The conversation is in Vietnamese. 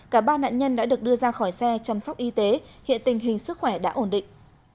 cả ba nạn nhân đã được đưa ra khỏi xe chăm sóc y tế hiện tình hình sức khỏe đã ổn định